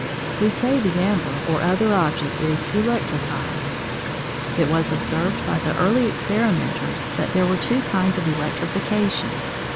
We say the amber or other object is "electrified." It was observed by the early experimenters that there were two kinds of electrification.